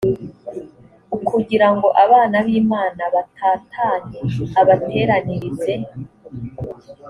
ukugira ngo abana b imana batatanye abateranirize